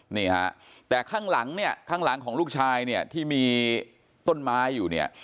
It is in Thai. นี่ฮะแต่ข้างหลังเนี่ยข้างหลังของลูกชายเนี่ยที่มีต้นไม้อยู่เนี่ย